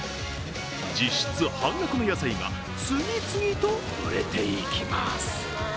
実質半額の野菜が次々と売れていきます。